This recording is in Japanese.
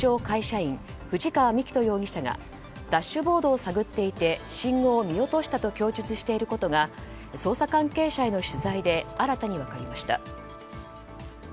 会社員、藤川幹人容疑者がダッシュボードを探っていて信号を見落としたと供述していることが捜査関係者への取材で新たに分かりました。